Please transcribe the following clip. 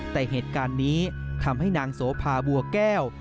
แต่เหตุการณ์นี้ทำให้นางโสภาบัวแก้ว